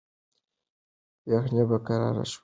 یخني په کراره شوه.